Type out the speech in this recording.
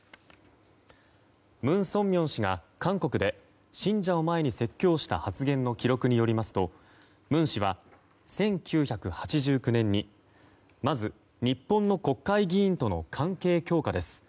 文鮮明氏が韓国で信者を前に説教した発言の記録によりますと文氏は１９８９年にまず日本の国会議員との関係強化です